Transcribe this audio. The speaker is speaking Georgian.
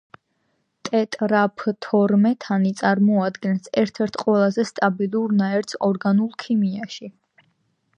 ტეტრაფთორმეთანი წარმოადგენს ერთ-ერთ ყველაზე სტაბილურ ნაერთს ორგანულ ქიმიაში.